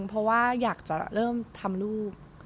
เพราะว่าอยากจะเริ่มทำลูก